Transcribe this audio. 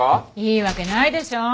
いいわけないでしょう。